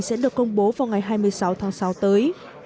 sẽ được công bố vào ngày hai mươi sáu tháng sáu tới